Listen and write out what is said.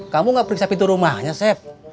kamu gak periksa pintu rumahnya chef